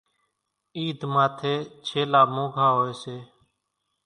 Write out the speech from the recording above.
عيڌ ماٿيَ ڇيلا مونگھا هوئيَ سي۔